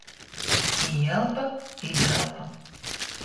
Īelpa, izelpa.